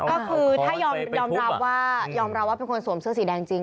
ก็คือถ้ายอมราวว่าเป็นคนสวมเสื้อสีแดงจริง